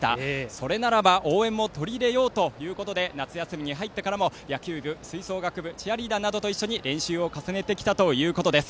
それならば、応援も取り入れようということで夏休みに入ってからも野球部、吹奏楽部チアリーダーと練習してきたそうです。